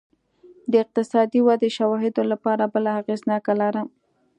د اقتصادي ودې شواهدو لپاره بله اغېزناکه لار